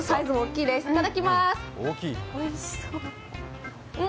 いただきます。